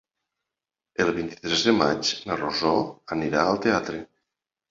El vint-i-tres de maig na Rosó anirà al teatre.